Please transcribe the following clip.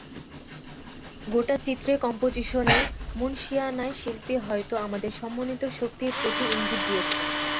গোটা চিত্রে কম্পোজিশনের মুনশিয়ানায় শিল্পী হয়তো আমাদের সমন্বিত শক্তির প্রতিই ইঙ্গিত দিয়েছেন।